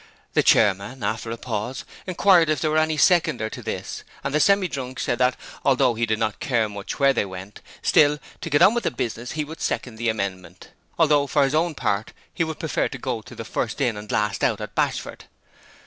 The Chairman after a pause inquired if there were any seconder to this, and the Semi drunk said that, although he did not care much where they went, still, to get on with the business, he would second the amendment, although for his own part he would prefer to go to the 'First In and Last Out' at Bashford.